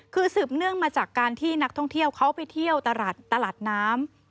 คือสืบเนื่องมาจากการที่นักท่องเที่ยวเขาไปเที่ยวตลาดน้ำ